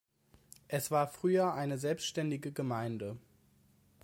Es war früher eine selbständige Gemeinde.